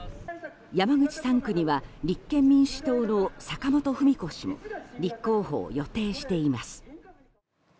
山口３区には立憲民主党の坂本史子氏も立候補を予定しています。